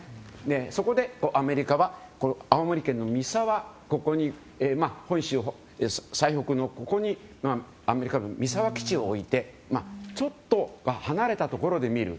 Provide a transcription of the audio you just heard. そこで、アメリカは青森県の三沢本州最北のここに三沢基地を置いてちょっと離れたところで見る。